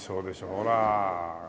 ほら。